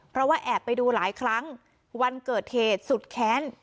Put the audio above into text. เพราะว่าแอบไปดูหลายครั้งวันเกิดเหตุสุดแค้น